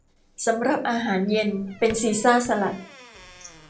สำหรับอาหารเย็นเป็นซีซ่าสลัด